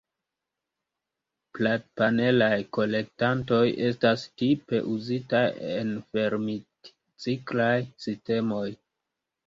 Platpanelaj kolektantoj estas tipe uzitaj en fermitciklaj sistemoj.